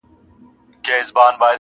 چي دولت لرې ښاغلی یې هرچا ته,